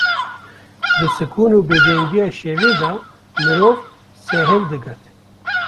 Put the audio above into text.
Di sikûn û bêdengiya şevê de mirov sehiw digirt.